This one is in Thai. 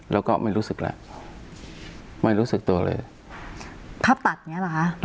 แล้วก็ไม่รู้สึกแล้วไม่รู้สึกตัวเลยภาพตัดอย่างเงี้เหรอคะ